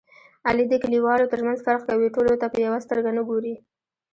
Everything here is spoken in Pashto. علي د کلیوالو ترمنځ فرق کوي. ټولو ته په یوه سترګه نه ګوري.